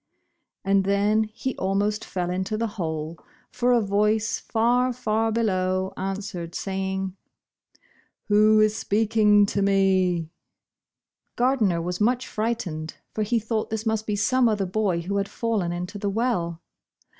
And then, he almost fell into the hole, for a voice far, far below answered, saving, "Who is speaking to me?" Gardner was much frightened, for he thought this must be some other boy who had fallen into the well.